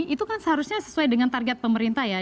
itu kan seharusnya sesuai dengan target pemerintah ya